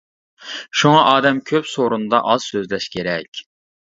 شۇڭا ئادەم كۆپ سورۇندا ئاز سۆزلەش كېرەك.